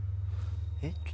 えっ？